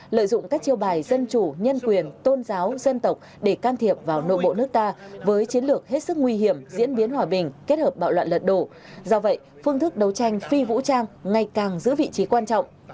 lợi dụng các chiêu bài dân chủ nhân quyền tôn giáo dân tộc để can thiệp vào nội bộ nước ta với chiến lược hết sức nguy hiểm diễn biến hòa bình kết hợp bạo loạn lật đổ do vậy phương thức đấu tranh phi vũ trang ngày càng giữ vị trí quan trọng